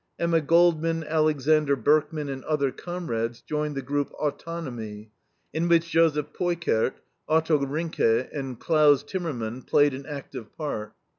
Emma Goldman, Alexander Berkman, and other comrades joined the group AUTONOMY, in which Joseph Peukert, Otto Rinke, and Claus Timmermann played an active part.